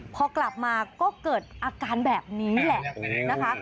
พอกลับมาก็เกิดอาการแบบนี้แหละนะคะ